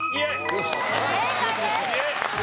正解です。